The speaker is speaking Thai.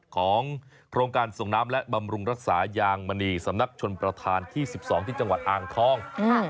ของโครงการส่งน้ำและบำรุงรักษายางมณีสำนักชนประธานที่๑๒ที่จังหวัดอ่างทอง